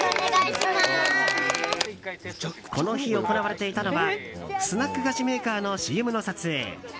この日、行われていたのはスナック菓子メーカーのＣＭの撮影。